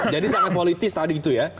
jadi sangat politis tadi itu ya